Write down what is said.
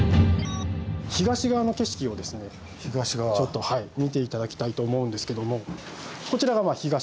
東側の景色をちょっと見て頂きたいと思うんですけども。